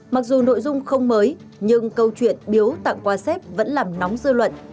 mặc dù nội dung không mới nhưng câu chuyện biếu tặng quà xếp vẫn làm nóng dư luận